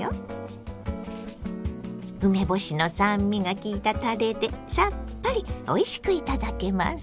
梅干しの酸味がきいたたれでさっぱりおいしくいただけます。